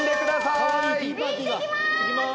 いってきます。